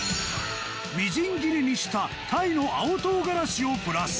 みじん切りにしたタイの青唐辛子をプラス